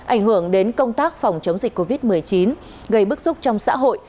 ảnh hưởng đến công tác phòng chống dịch covid một mươi chín gây bức xúc trong xã hội